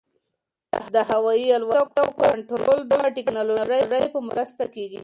د هوايي الوتکو کنټرول د ټکنالوژۍ په مرسته کېږي.